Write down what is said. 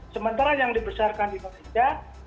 sementara yang dibesarkan di indonesia